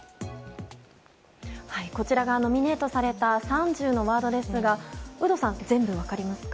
こちらがノミネートされた３０のワードですが有働さん、全部分かりますか？